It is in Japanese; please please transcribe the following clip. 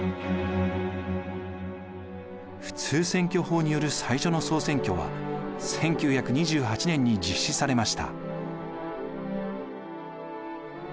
普通選挙法による最初の総選挙は１９２８年に実施されました。